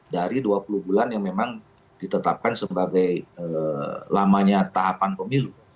dari dua puluh bulan yang memang ditetapkan sebagai lamanya tahapan pemilu